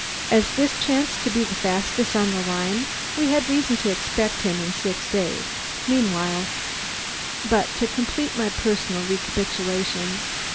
As this chanced to be the fastest on the line, we had reason to expect him in six days; meanwhile But to complete my personal recapitulations.